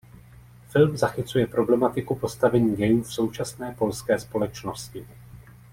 Film zachycuje problematiku postavení gayů v současné polské společnosti.